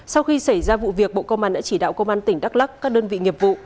sau khi xảy ra vụ việc bộ công an đã chỉ đạo công an tỉnh đắk lắc các đơn vị nghiệp vụ